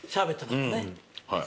はい。